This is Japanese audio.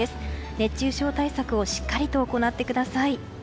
熱中症対策をしっかりと行ってください。